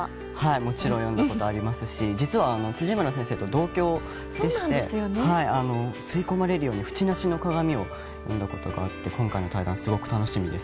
もちろん読んだことありますし実は辻村先生と同郷でして吸い込まれるように「ふちなしのかがみ」を読んだことがあって今回の対談、すごく楽しみです。